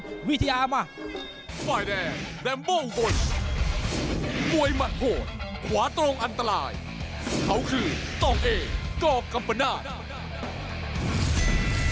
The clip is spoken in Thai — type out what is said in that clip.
มวยมัดโหดขวาตรงอันตรายเขาคือต้องเอกกัมปนาศ